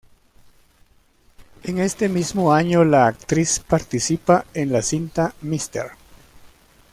En este mismo año la actriz participa en la cinta "Mr.